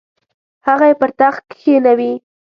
هغه یې پر تخت کښینوي.